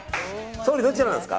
総理、どっちなんですか？